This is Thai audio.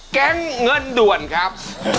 แก๊งเงินด่วนครับ